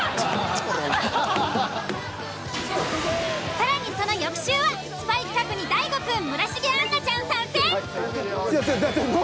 更にその翌週はスパイ企画にＤＡＩＧＯくん村重杏奈ちゃん参戦。